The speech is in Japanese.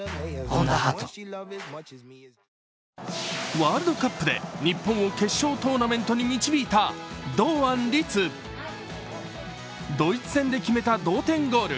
ワールドカップで日本を決勝トーナメントに導いた堂安律ドイツ戦で決めた同点ゴール。